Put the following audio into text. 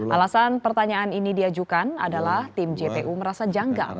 alasan pertanyaan ini diajukan adalah tim jpu merasa janggal